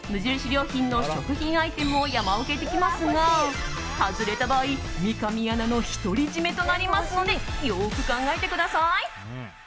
良品の食品アイテムを山分けできますが外れた場合三上アナの独り占めとなりますのでよく考えてください。